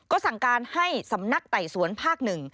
ก็สั่งการให้สำนักไต่สวนภาคหนึ่ง